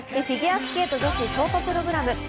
フィギュアスケート女子ショートプログラム。